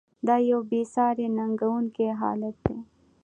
دا یوه بې ساري ننګونکی حالت دی.